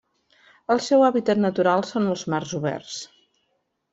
El seu hàbitat natural són els mars oberts.